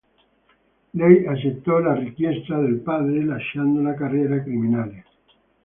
Lei accettò la richiesta del padre, lasciando la carriera criminale.